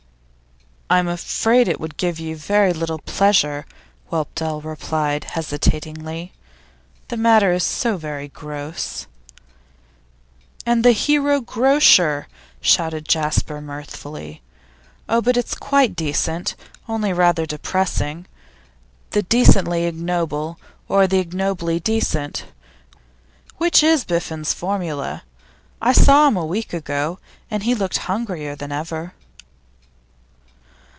'I'm afraid it would give you very little pleasure,' Whelpdale replied, hesitatingly. 'The matter is so very gross.' 'And the hero grocer!' shouted Jasper, mirthfully. 'Oh, but it's quite decent; only rather depressing. The decently ignoble or, the ignobly decent? Which is Biffen's formula? I saw him a week ago, and he looked hungrier than ever.